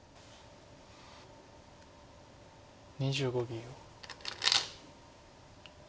２５秒。